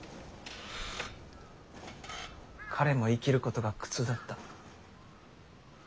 彼も生きることが苦痛だった。